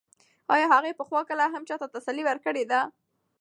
ایا هغې پخوا کله هم چا ته تسلي ورکړې ده؟